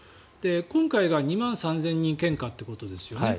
今回が２万３０００人献花ということですよね。